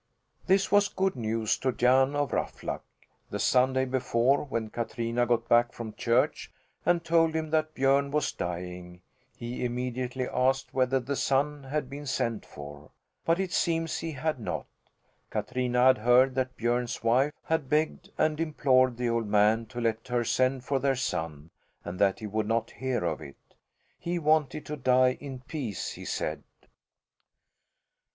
This was good news to Jan of Ruffluck. The Sunday before, when Katrina got back from church and told him that Björn was dying, he immediately asked whether the son had been sent for. But it seems he had not. Katrina had heard that Björn's wife had begged and implored the old man to let her send for their son and that he would not hear of it. He wanted to die in peace, he said.